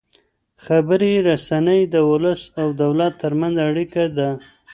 خبري رسنۍ د ولس او دولت ترمنځ اړیکه ده.